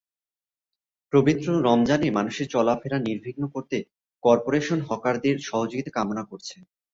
পবিত্র রমজানে মানুষের চলাফেরা নির্বিঘ্ন করতে করপোরেশন হকারদের সহযোগিতা কামনা করছে।